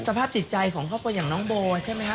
สภาพจิตใจของครอบครัวอย่างน้องโบใช่ไหมครับ